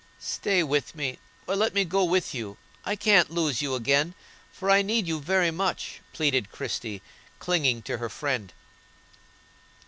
"Stay with me, or let me go with you. I can't lose you again, for I need you very much," pleaded Christie, clinging to her friend.